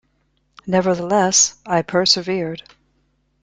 Nevertheless, I persevered.